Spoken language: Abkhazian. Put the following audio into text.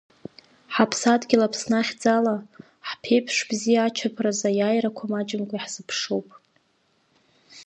Ҳаԥхьаҟагьы Аԥсны ахьӡ ала, ҳԥеиԥш бзиа ачаԥаразы аиааирақәа маҷымкәа иаҳзыԥшуп!